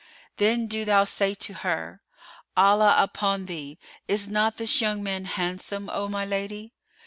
Then do thou say to her:—Allah upon thee! is not this young man handsome, O my lady?